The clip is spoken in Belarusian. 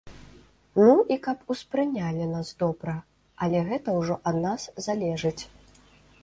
Ну, і каб успрынялі нас добра, але гэта ўжо ад нас залежыць.